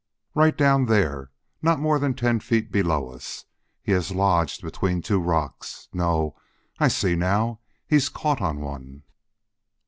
"Right down there, not more than ten feet below us. He has lodged between two rocks no, I see now, he's caught on one."